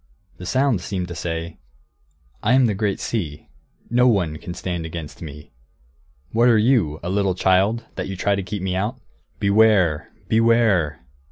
The sound seemed to say, "I am the great sea. No one can stand against me. What are you, a little child, that you try to keep me out? Beware! Beware!"